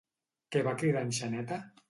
Què va cridar en Xaneta?